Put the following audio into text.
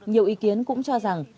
nhiều ý kiến cũng cho rằng